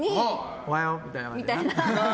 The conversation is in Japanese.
おはようみたいな。